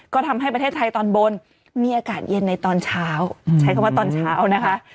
ก็ทำให้ประเทศไทยตอนบนมีอากาศเย็นในตอนเช้าใช้คำว่าตอนเช้านะคะ